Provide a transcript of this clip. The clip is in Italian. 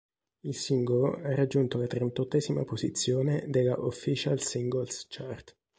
Il singolo ha raggiunto la trentottesima posizione della Official Singles Chart.